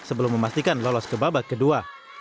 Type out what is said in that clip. sebelum memastikan lolos ke babak kedua